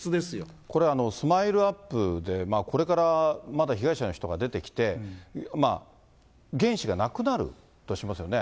これ、スマイルアップで、これからまだ被害者の人が出てきて、原資がなくなるとしますよね。